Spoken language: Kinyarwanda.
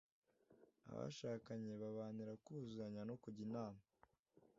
abashakanye babanira kuzuzanya no kujya inama